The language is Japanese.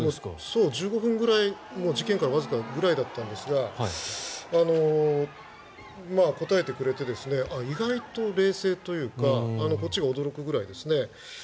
事件から１５分くらいだったんですが答えてくれて意外と冷静というかこっちが驚くぐらいですね。